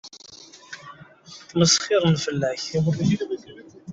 Ttmesxiṛen fell-ak.